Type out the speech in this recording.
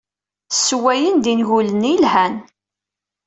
Ssewwayen-d ingulen yelhan.